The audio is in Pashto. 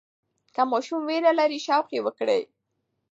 که ماشوم ویره لري، تشویق یې وکړئ.